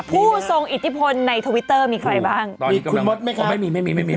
ผู้ทรงอิทธิพลในทวิตเตอร์มีใครบ้างคุณมสมี่ครับมีคุณมสไม่ครับ